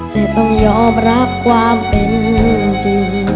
แต่ต้องยอมรับความเป็นจริง